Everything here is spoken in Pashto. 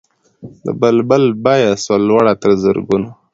د بلبل بیه سوه لوړه تر زرګونو